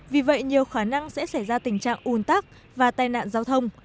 vì vậy nhiều khả năng sẽ xảy ra tình trạng ùn tắc và tai nạn giao thông